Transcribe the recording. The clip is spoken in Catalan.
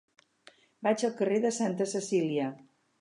Vaig al carrer de Santa Cecília.